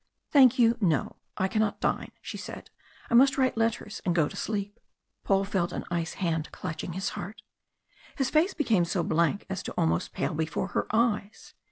"Thank you, no. I cannot dine," she said. "I must write letters and go to sleep." Paul felt an ice hand clutching his heart. His face became so blank as to almost pale before her eyes.